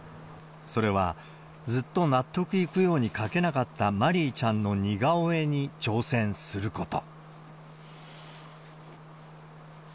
それは、ずっと納得いくように描けなかったまりいちゃんの似顔絵に挑戦すること。